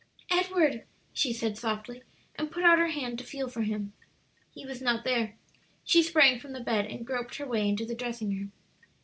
"Edward," she said softly, and put out her hand to feel for him. He was not there. She sprang from the bed and groped her way into the dressing room.